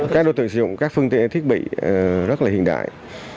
các đối tượng sử dụng các phương tiện thiết bị rất là hiện đại